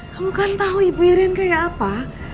kamu kan tau ibu iren kaya apa